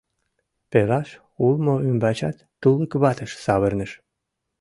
Пелаш улмо ӱмбачат тулык ватыш савырныш.